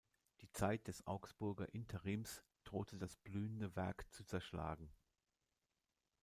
Die Zeit des Augsburger Interims drohte das blühende Werk zu zerschlagen.